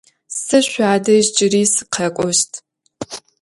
Se şsuadej cıri sıkhek'oşt.